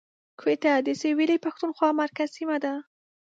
کوټه د سویلي پښتونخوا مرکز سیمه ده